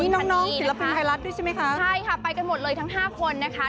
น้องน้องศิลปินไทยรัฐด้วยใช่ไหมคะใช่ค่ะไปกันหมดเลยทั้งห้าคนนะคะ